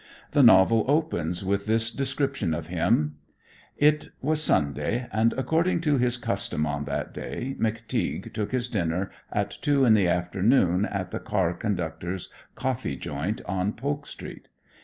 The novel opens with this description of him: "It was Sunday, and, according to his custom on that day, McTeague took his dinner at two in the afternoon at the car conductor's coffee joint on Polk street.